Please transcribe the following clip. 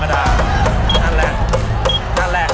นั่นแหละ